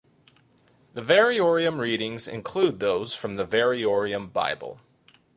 The variorum readings include those from the "Variorum Bible".